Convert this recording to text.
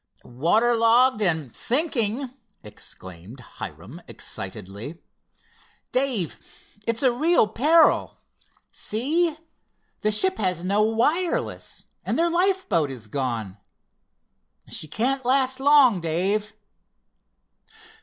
"Water logged and sinking!" exclaimed Hiram excitedly. "Dave, it's a real peril! See, the ship has no wireless, and their lifeboat is gone. She can't last long, Dave!"